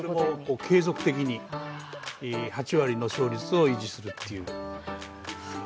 継続的に８割の勝率を維持するっていう。